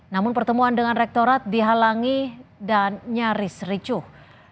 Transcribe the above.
namun pertemuan dengan rektorat dihalangi dan nyaris ricuh